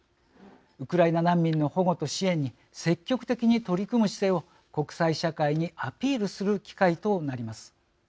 ウクライナ難民の保護と支援に積極的に取り組む姿勢を国際社会にアピールする機会となります。